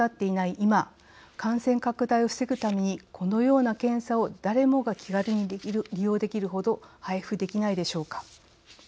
今感染拡大を防ぐためにこのような検査を誰もが気軽に利用できるほど配布できないでしょうか。